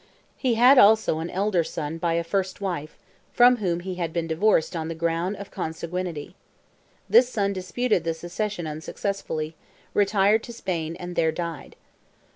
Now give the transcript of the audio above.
He had also an elder son by a first wife, from whom he had been divorced on the ground of consanguinity. This son disputed the succession unsuccessfully, retired to Spain, and there died.